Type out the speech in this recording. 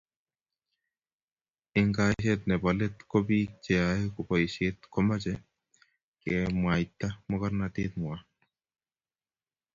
eng kaeshet nebo let ko piik che yae poishet ko mache komwaita magornatet ngwai